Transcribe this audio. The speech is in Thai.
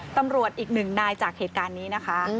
ตำรวจอีกหนึ่งนายจากเหตุการณ์นี้นะคะ